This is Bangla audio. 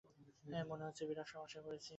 মনে হচ্ছে বিরাট সমস্যায় পড়েছি।